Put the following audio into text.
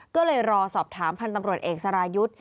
ก็เลยรอสอบถามพันธ์ตำรวจเอกสรายุทธ์